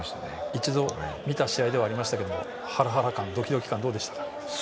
一度見た試合ではありましたけどハラハラ感、ドキドキ感どうでしたか？